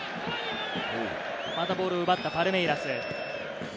またボールを奪ったパルメイラス。